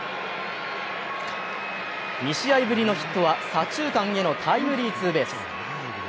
２試合ぶりのヒットは左中間へのタイムリーツーベース。